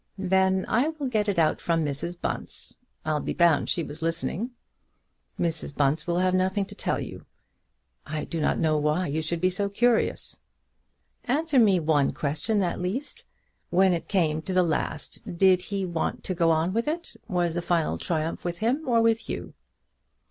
"Then I will get it out from Mrs. Bunce. I'll be bound she was listening." "Mrs. Bunce will have nothing to tell you; I do not know why you should be so curious." "Answer me one question at least: when it came to the last, did he want to go on with it? Was the final triumph with him or with you?"